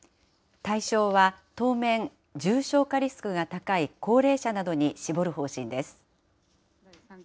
対象は当面、重症化リスクが高い高齢者などに絞る方針です。